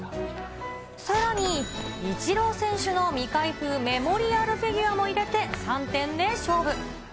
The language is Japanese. さらに、イチロー選手の未開封メモリアルフィギュアも入れて、３点で勝負。